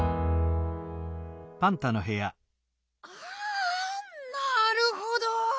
ああなるほど！